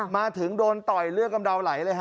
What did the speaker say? มาถึงโดนต่อยเลือดกำเดาไหลเลยฮ